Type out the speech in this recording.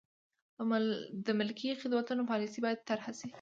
د ملکي خدمتونو پالیسي باید طرحه شي.